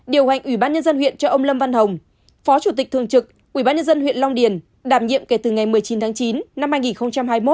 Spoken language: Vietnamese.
điều hành ủy ban nhân dân huyện cho ông lâm văn hồng phó chủ tịch thường trực ubnd huyện long điền đảm nhiệm kể từ ngày một mươi chín tháng chín năm hai nghìn hai mươi một